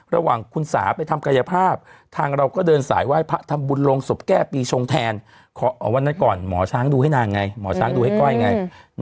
ระหว่างคุณสาไปทำกายภาพทางเราก็เดินสายไหว้พระทำบุญลงศพแก้ปีชงแทนวันนั้นก่อนหมอช้างดูให้นางไงหมอช้างดูให้ก้อยไง